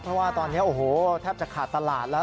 เพราะว่าตอนนี้โอ้โหแทบจะขาดตลาดแล้ว